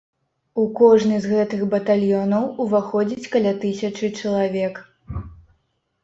У кожны з гэтых батальёнаў уваходзіць каля тысячы чалавек.